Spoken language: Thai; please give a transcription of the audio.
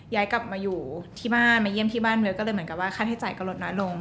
ย้ายกลับมาอยู่ที่บ้านมาเยี่ยมที่บ้านเมืองก็เลยเหมือนกับว่าค่าใช้จ่ายก็ลดน้อยลง